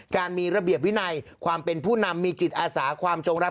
การมีระเบียบวินัยความเป็นผู้นำมีจิตอาสาความจงรัก